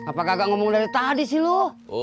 apakah gak ngomong dari tadi sih loh